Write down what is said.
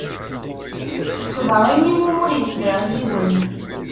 Teṣber ayen i wumi ur yeṣbir yiwen.